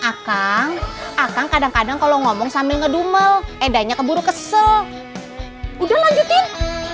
akang akang kadang kadang kalau ngomong sambil ngedumel edanya keburu kesel udah lanjutin